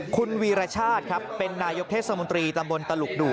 คุณวีรชาติครับเป็นนายกเทศมนตรีตำบลตลุกดู่